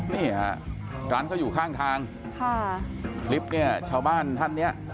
นี่ฮะร้านเขาอยู่ข้างทางค่ะคลิปเนี่ยชาวบ้านท่านเนี้ย